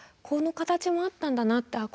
この形もあったんだなって。